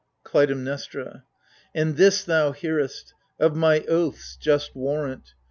KLUTAIMNESTRA. And this thou hearest — of my oaths, just warrant